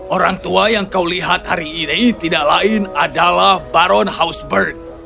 orang tua yang kau lihat hari ini tidak lain adalah baron houseburg